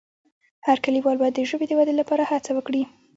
هر لیکوال باید د ژبې د ودې لپاره هڅه وکړي.